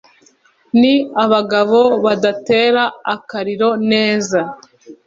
ni abagabo badatera akariro neza